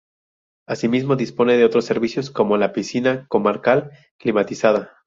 Así mismo dispone de otros servicios como la Piscina Comarcal Climatizada.